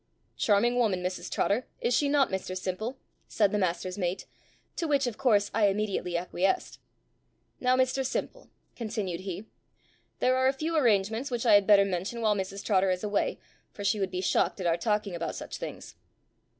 "Charming woman, Mrs Trotter, is she not, Mr Simple?" said the master's mate; to which of course I immediately acquiesced. "Now, Mr Simple," continued he, "there are a few arrangements which I had better mention while Mrs Trotter is away, for she would be shocked at our talking about such things.